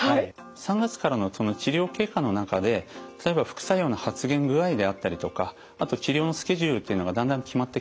３月からの治療経過の中で例えば副作用の発現具合であったりとかあと治療のスケジュールっていうのがだんだん決まってきます。